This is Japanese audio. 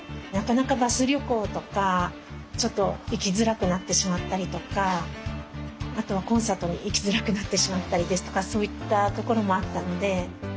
なかなかバス旅行とかちょっと行きづらくなってしまったりとかあとはコンサートに行きづらくなってしまったりですとかそういったところもあったので。